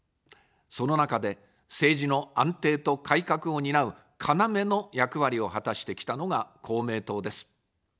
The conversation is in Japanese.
その中で、政治の安定と改革を担う要の役割を果たしてきたのが公明党です。